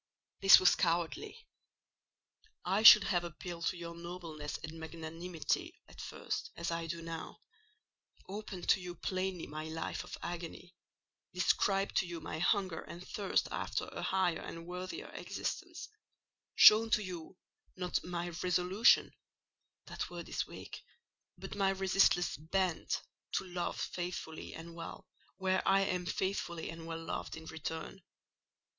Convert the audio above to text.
This was cowardly: I should have appealed to your nobleness and magnanimity at first, as I do now—opened to you plainly my life of agony—described to you my hunger and thirst after a higher and worthier existence—shown to you, not my resolution (that word is weak), but my resistless bent to love faithfully and well, where I am faithfully and well loved in return.